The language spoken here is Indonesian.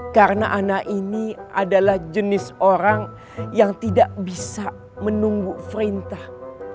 karena ana ini adalah jenis orang yang tidak bisa menunggu perintah